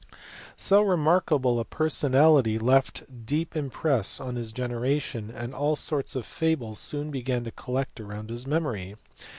So remarkable a personality left a deep impress on his generation, and all sorts of fables soon began to collect around his memory.